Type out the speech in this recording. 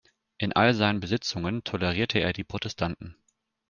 In all seinen Besitzungen tolerierte er die Protestanten.